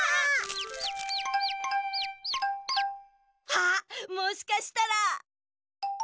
あっもしかしたら。